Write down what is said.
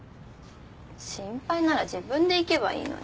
心配なら自分で行けばいいのに。